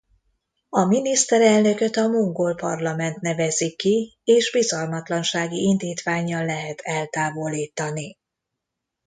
A miniszterelnököt a mongol parlament nevezi ki és bizalmatlansági indítvánnyal lehet eltávolítani.